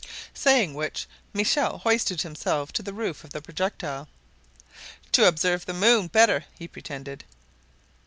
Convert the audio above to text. Saying which, Michel hoisted himself to the roof of the projectile, "to observe the moon better," he pretended.